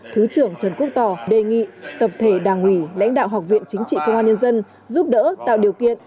thứ trưởng trần quốc tỏ đề nghị tập thể đảng ủy lãnh đạo học viện chính trị công an nhân dân giúp đỡ tạo điều kiện